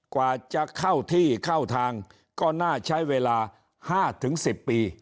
กว่าจะเข้าที่เข้าทางก็น่าใช้เวลาห้าถึงสิบปี